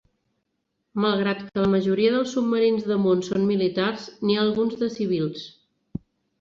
Malgrat que la majoria dels submarins de Món són militars, n'hi ha alguns de civils.